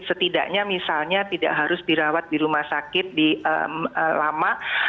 setidaknya misalnya tidak harus dirawat di rumah sakit lama